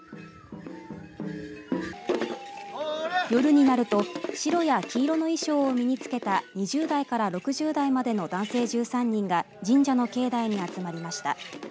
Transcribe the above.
夜になると白や黄色の衣装を身に着けた２０代から６０代までの男性１３人が神社の境内に集まりました。